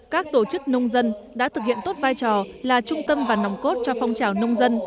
các tổ chức nông dân đã thực hiện tốt vai trò là trung tâm và nòng cốt cho phong trào nông dân